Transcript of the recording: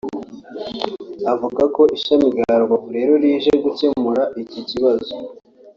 Avuga ko ishami rya Rubavu rero rije gukemura iki kibazo